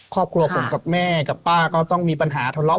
ครอบครัวผมกับแม่กับป้าก็ต้องมีปัญหาทะเลาะ